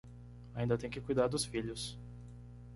Ainda tem que cuidar dos filhos